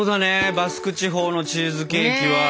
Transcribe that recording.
バスク地方のチーズケーキは。